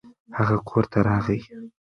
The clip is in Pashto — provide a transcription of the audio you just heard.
هغه کور ته راغی.